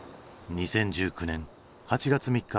２０１９年８月３日。